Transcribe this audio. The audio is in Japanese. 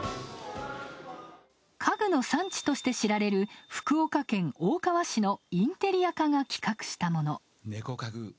家具の産地として知られる福岡県大川市のインテリア課が企画したもの。